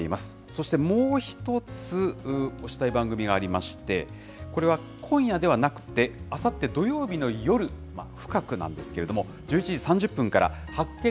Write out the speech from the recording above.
そしてもう一つ、推したい番組がありまして、これは今夜ではなくて、あさって土曜日の夜深くなんですけれども、１１時３０分から、発県！